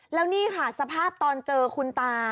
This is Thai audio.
แล้วนี่ค่ะสภาพตอนเจอคุณตา